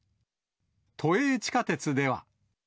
都営地下鉄では。